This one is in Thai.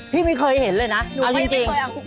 พี่ไม่เคยเห็นเลยนะเอาจริง